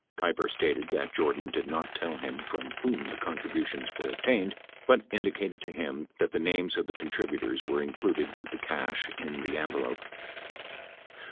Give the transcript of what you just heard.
Keiper stated that Jordan did not tell him from whom the contributions were obtained but indicated to him that the names of the contributors were included with the cash in the envelope.